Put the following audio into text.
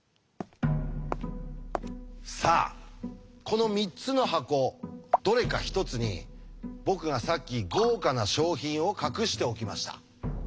さあこの３つの箱どれか１つに僕がさっき豪華な賞品を隠しておきました。